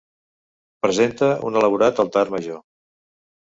Presenta un elaborat altar major.